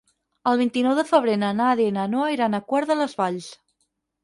El vint-i-nou de febrer na Nàdia i na Noa iran a Quart de les Valls.